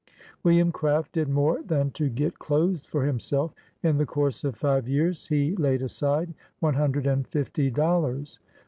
William Craft did more than to get clothes for himself. In the course of five years, he laid aside one hundred and fiftv dollars.